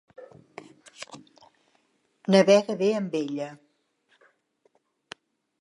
Navega bé amb ella.